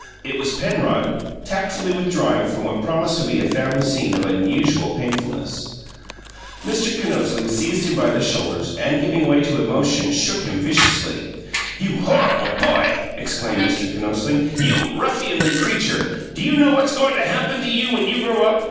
It was Penrod, tactfully withdrawing from what promised to be a family scene of unusual painfulness. Mr. Kinosling seized him by the shoulders and, giving way to emotion, shook him viciously. "You horrible boy!" exclaimed Mr. Kinosling. "You ruffianly creature! Do you know what's going to happen to you when you grow up?